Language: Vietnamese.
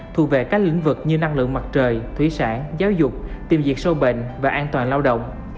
thu về các lĩnh vực như năng lượng mặt trời thủy sản giáo dục tìm diệt sâu bệnh và an toàn lao động